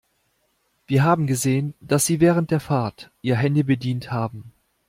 Wir haben gesehen, dass Sie während der Fahrt Ihr Handy bedient haben.